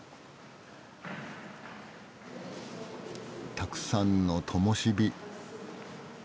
たくさんのともしび。